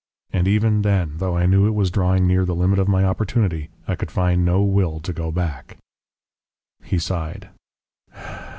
And even then, though I knew it was drawing near the limit of my opportunity, I could find no will to go back." He sighed.